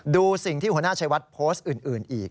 ดูสิ่งที่หัวหน้าชัยวัดโพสต์อื่นอีก